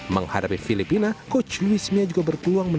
menghadapi filipina coach luis mia juga berpeluang melakukan kado manis